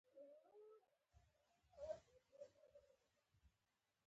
هغه لغتونه، چي د ولي څخه دمخه راځي پریفکس نومیږي.